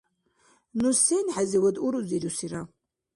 Ну сен хӀезивад урузирусира?